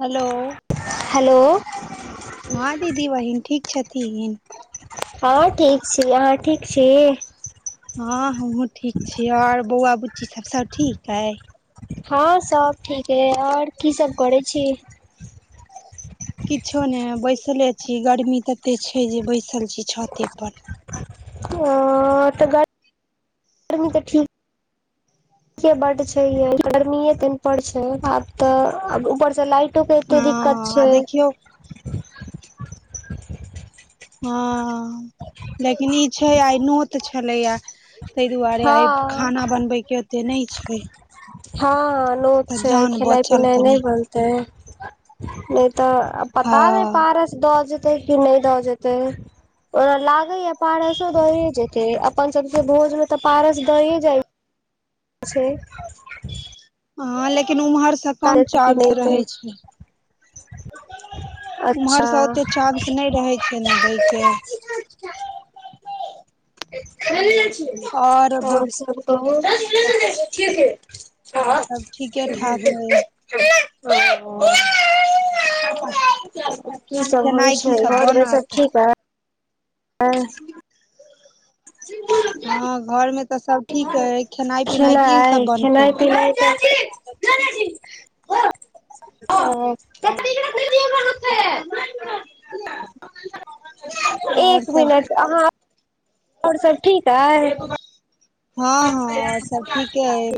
hello hello हँ दीदी बहिन ठीक छथिन हँ ठीक छी अहाँ ठीक छी हँ हमहु ठीक छिय आओर बौआ बुच्ची सभ सब ठीक छै हँं सब ठीक है आओर की सब करै छी किछो नहि बैसले छी गर्मी तते छै जे बैसल छी छते पर अ तऽ ग [unintelligible] तनि देखि बड छै य गर्मी मे बड़ छै आब तऽ आब ऊपर से लाइटोके एते हँ दिक्कत आ छै देखियौ हँ लेकिन ई छै आइ नोत छलैया ताहि दुआरे आइ हँ खाना बनबे के ओते नहि छै हँ नोत तऽ छै जान खेनाइ बचल पिनाइ नहि कनी बनतै नहि तऽ पता नहि हँ पारस द जेतेै कि नहि दऽ जेतेै ओकरा लागे यैह पारसो द‌ए जेते अपन सबसे भोज मे ते पारस दये जाय छै हँ लेकिन उम्हरसँ कम काहे कि चान्स नहि देतै रहै छै अच्छा उम्हर सँ ओते चान्स नहि रहै छै न दै के ह [unintelligible] [unintelligible] और सब कहु हँ [unintelligible] और सब ठीके ठाक अइ [unintelligible] की सब होइ खेनाइ की छै सब घर मे सब बनत ठीक है ज [unintelligible] हँ घरमे खेनाइ सब बनतै खेनाइ पीनाय ह [unintelligible] ओै [unintelligible] और एक सब मिनट अहाँ आ और सब ठीक हइ हँ हँ और सब ठीके अइ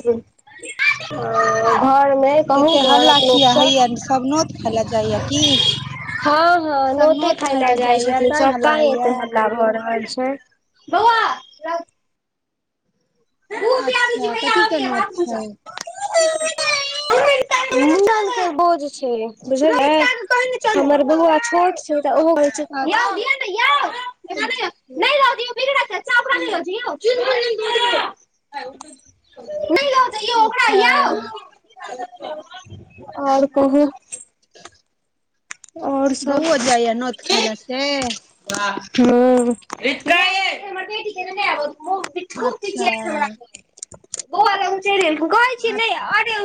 घर [unintelligible] मे कहू एते हल्ला घरक किया लोकसँ हैया सब नोत खाय लए जाइया की हँ हँ सब नोते नोत खाय लए जाइ जाइया छथिन तैं हल्ला सबटा तै होइया एते हल्ला भऽ रहल छै बौआ अच्छा कथीके नत छै न त बोज [unintelligible] बुझल अछि हमर बौआ छोट छै तऽ ओहो हो छै न अच्छा यै [unintelligible] ह उ [unintelligible] नै लजैयौ ओकरा यौ अच्छा आओर कहू आओर सब ब‌उआ जाय नोत खाय लऽ से ‌ हू [unintelligible] अच्छा ओ उ च कहै छी आ ने अर [unintelligible]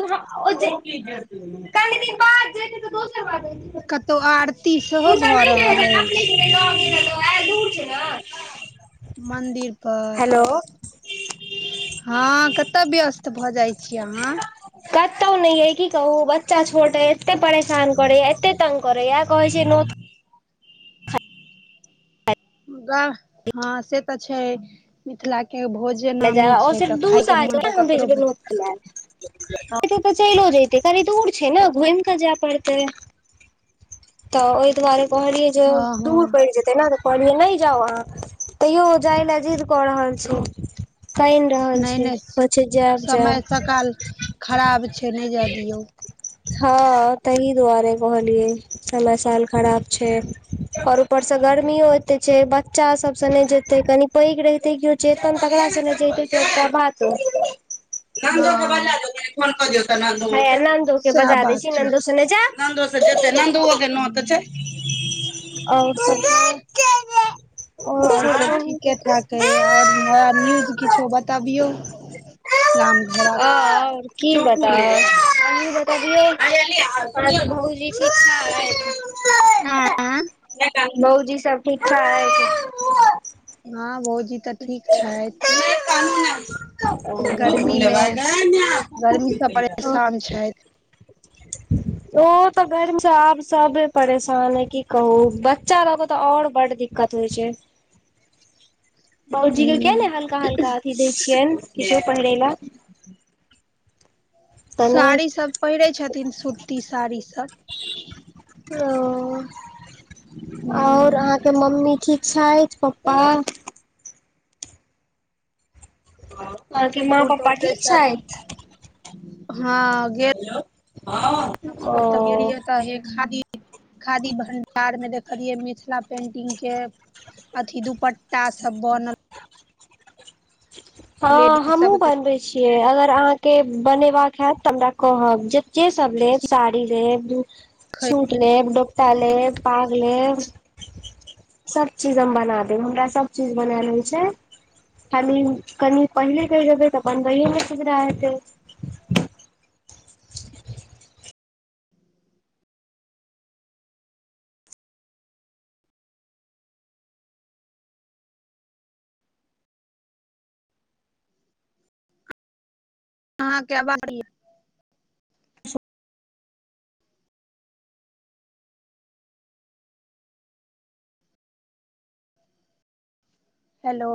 कनि दिन बाद जे तऽ दोसर ब कतहु आरती सेहो तुत भऽ नै रहल अछि नेहेला अपने ल दूर छै ने मन्दिर पर हेलो हँ कतय व्यस्त भऽ जाइ छी आहाँ कतहु नहि ये की कहू बच्चा छोट ह एते परेशान करैय एते तंग करियै कहै छै नै मुगा हँ से तऽ छै मिथिला के भोज जे खाय लए आमी छै तऽ खाय के मोन तऽ ककरो भ [unintelligible] एते तऽ चलो जतै कनी दूर छै ने घुमि कऽ जाय पड़तै तऽ ओहि दुआरे कहलियै जे हँ हँ दूर पड़ि जेतै ने कहलीयै नहि जाउ आहाँ तेयौ ओ जाए लऽ जिद क रहल छै रहल नहि छी नहि पछे जायब जायब समय सकाल खराब छै नहि जाय दियौ हँ तहि दुआरे कहलियए समय साल खराब छय आओर ऊपरसँ गर्मियो एते छै बच्चा सभसँ नहि जेतै कनि पैघ रहेते कऽ चेतन तक हँ बला ह‌इया नन्दो के सएह बजा देै बात छी छै नन्दो से ने जा न के न आओ आ आओर नया न्यूज किछो बताबियउ राम घर आ ओर की बताबै बताबिय [unintelligible] आ तऽ बहु जी छा हँ भौजी सब ठीकठाक है छय हँ भौजी तऽ ठीक छइथ अछि गर्मीमे लेबै गै माय गर्मीसँ परेशान छइथ ओ तऽ गर्मी से आप सब परेशान है की कहू बच्चा लगो तऽ और बड़ दिक कत होइ छय बाउजी के किया हूँ ने हल्का हल्का अथी दय छियइ किछो पहिरे ला तऽ नहि साड़ी सभ पहिरै छथिन सूती साड़ीसभ ओ और ह अहाँके मम्मी ठीक छइथ पप्पा अहके माँ पुर तऽ पप्पा ओकरे ठीक सँ छइथ हँ गेल भगवत तऽ ओ गेलियै तऽ हे खादी खादी भण्डार मे देखलियै मिथिला पेंटिंग के अथी दुपट्टा सब बनल हँ लेडीज हमहुँ सब के बनबैत छियइ अगर अहाँके बनेबाक हत तऽ हमरा कहब जे के सब लेब साड़ी लेब सुट लेब डोपटा ले पाग लेब सब चीज हम बना देब हमरा सब चीज बनाल आबै छय क कनि पहिले कह जबै तऽ बनबैमे सुविधा हेतइ हँं क्य बी [unintelligible] हेलो